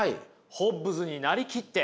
ホッブズになりきって。